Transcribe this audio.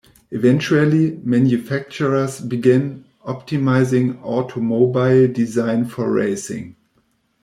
Eventually, manufacturers began optimizing automobile design for racing.